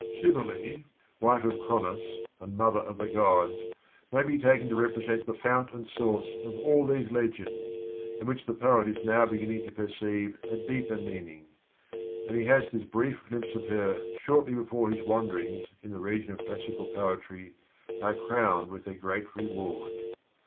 C}bele, wife of Cronos and mother of the gods, may be taken to represent the fount and source of all these legends, in which the poet is now beginning to perceive a deeper meaning; and he has this brief glimpse of her shortly before his wanderings in the region of classical poetry are crowned with their great reward.